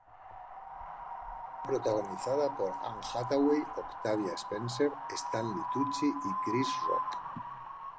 Está protagonizada por Anne Hathaway, Octavia Spencer, Stanley Tucci y Chris Rock.